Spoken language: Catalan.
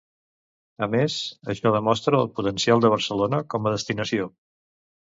A més, això demostra el potencial de Barcelona com a destinació.